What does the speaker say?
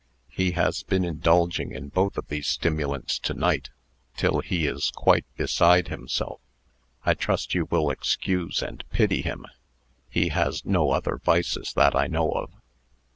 He has been indulging in both of these stimulants to night, till he is quite beside himself. I trust you will excuse and pity him. He has no other vices that I know of."